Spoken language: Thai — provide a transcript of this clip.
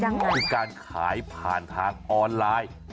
คือการขายผ่านทางออนไลน์